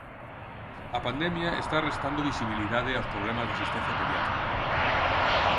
A pandemia está restando visibilidade aos problemas da asistencia pediátrica.